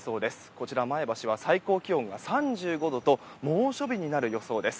こちら前橋は最高気温が３５度と猛暑日になる予想です。